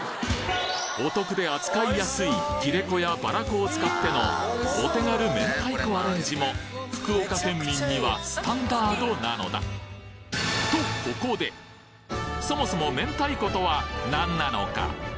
お得で扱いやすい切れ子やバラ子を使ってのお手軽明太子アレンジも福岡県民にはスタンダードなのだ何なのか？